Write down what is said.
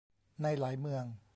ในหลายเมือง